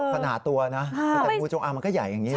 ขนาดตัวนะแต่งูจงอางมันก็ใหญ่อย่างนี้นะ